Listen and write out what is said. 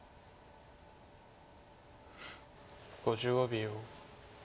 ５５秒。